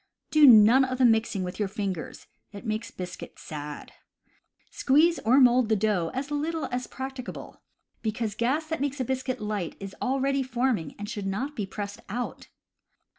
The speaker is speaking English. Do none of the mixing with your fingers; it makes biscuit "sad." Squeeze CAMP COOKERY 119 or mold the dough as Httle as practicable; because the gas that makes a biscuit light is already forming and should not be pressed out.